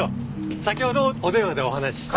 先ほどお電話でお話しした。